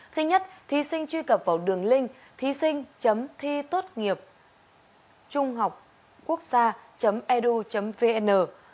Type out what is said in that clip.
thứ nhất thí sinh truy cập vào đường link thí sinh thitốtnghiệp trunghocquốcsa edu vn